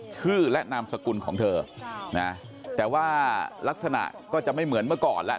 ชื่อและนามสกุลของเธอนะแต่ว่ารักษณะก็จะไม่เหมือนเมื่อก่อนแล้ว